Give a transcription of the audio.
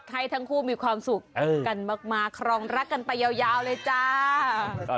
ให้ทั้งคู่มีความสุขกันมากครองรักกันไปยาวเลยจ้า